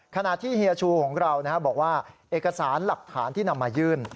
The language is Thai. ขณะที่เฮียชูของเราบอกว่าเอกสารหลักฐานที่นำมายื่น